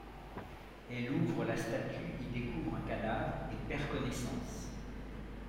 Elle ouvre la statue, y découvre un cadavre et perd connaissance.